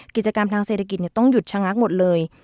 กิจกรรมทางเศรษฐกิจต้องหยุดชะงักหมดเลย